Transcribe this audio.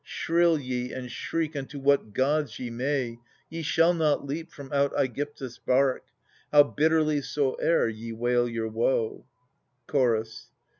Shrill ye and shriek unto what gods ye may, Ye shall not leap from out ^gyptus' bark, How bitterly soe'er ye wail your woe. Chorus.